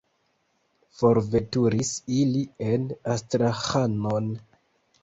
Forveturis ili en Astraĥanon.